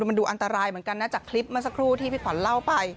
มันดูอันตรายเหมือนกันนะจากคลิปเมื่อสักครู่ที่พี่ขวัญเล่าไป